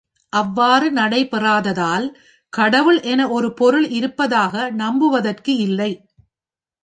அவ்வாறு நடைபெறாததால், கடவுள் என ஒரு பொருள் இருப்ப தாக நம்புவதற்கு இல்லை.